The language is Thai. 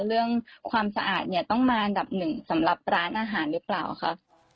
เรื่องความสะอาดต้องมาดับ๑สำหรับร้านอาหารหรือเปล่าคะ